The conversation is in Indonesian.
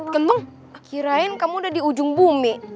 kembang kirain kamu udah di ujung bumi